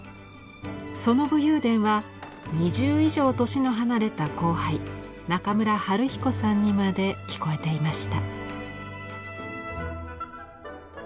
その武勇伝は２０以上年の離れた後輩中村晴彦さんにまで聞こえていました。